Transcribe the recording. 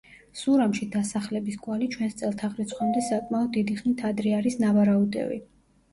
სურამში დასახლების კვალი ჩვენს წელთაღრიცხვამდე საკმაოდ დიდი ხნით ადრე არის ნავარაუდევი.